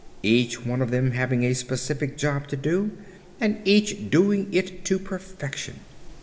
Each one of them having a specific job to do and each doing it to perfection.